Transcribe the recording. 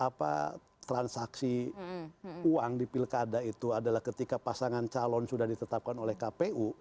apa transaksi uang di pilkada itu adalah ketika pasangan calon sudah ditetapkan oleh kpu